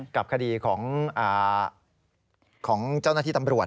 กับคดีของเจ้าหน้าที่ตำรวจ